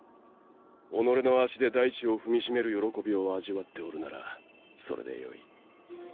己の足で大地を踏みしめる喜びを味わっておるならそれでよい。